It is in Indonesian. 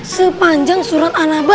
sepanjang surat anaba